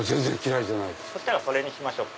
そしたらそれにしましょう。